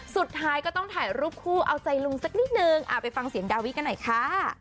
สุดท้ายก็ต้องถ่ายรูปคู่เอาใจลุงสักนิดนึงไปฟังเสียงดาวิกันหน่อยค่ะ